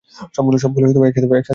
সবগুলোই একসাথে পরিচালনা করি।